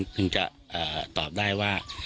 ถึงจะตอบได้ว่า